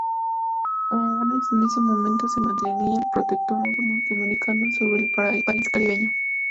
Aun en ese momento se mantenía el protectorado norteamericano sobre el país caribeño.